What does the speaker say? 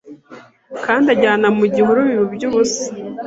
Kandi anjyana mu gihuru biba iby'ubusa